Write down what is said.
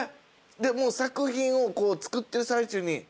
もう作品を作ってる最中に。